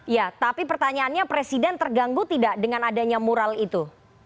ya tapi pertanyaannya presiden terganggu tidak dengan adanya mural itu